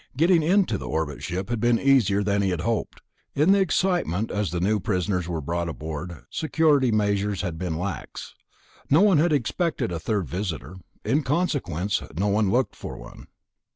Getting into the orbit ship had been easier than he had hoped. In the excitement as the new prisoners were brought aboard, security measures had been lax. No one had expected a third visitor; in consequence, no one looked for one.